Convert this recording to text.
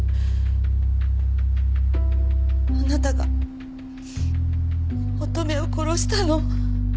あなたが乙女を殺したの？